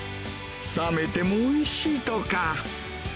冷めてもおいしいとか。